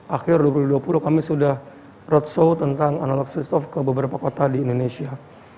akhir dua ribu dua puluh kami sudah roadshow tentang analog switch off ke beberapa kota di indonesia